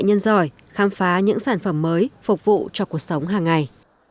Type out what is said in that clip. nhân giỏi khám phá những sản phẩm mới phục vụ cho cuộc sống hàng ngày